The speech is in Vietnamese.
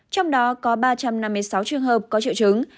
trong đó có ba trăm năm mươi sáu trường hợp có triệu chứng